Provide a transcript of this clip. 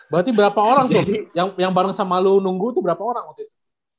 berarti berapa orang tuh yang bareng sama lo nunggu itu berapa orang waktu itu